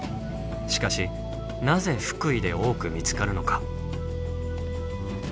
しかしなぜ福井で多く見つかるのか。